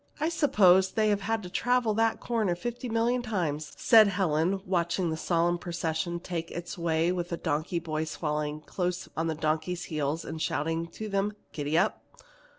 "I suppose they have traveled to that corner fifty million times," said Helen, watching the solemn procession take its way with the donkey boys following close on the donkeys' heels and shouting to them to "Giddap!"